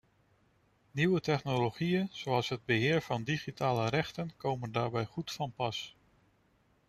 Nieuwe technologieën zoals het beheer van digitale rechten komen daarbij goed van pas.